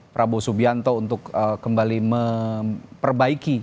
prabowo subianto untuk kembali memperbaiki